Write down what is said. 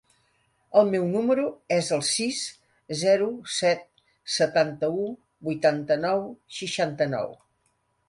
El meu número es el sis, zero, set, setanta-u, vuitanta-nou, seixanta-nou.